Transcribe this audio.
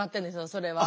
それは。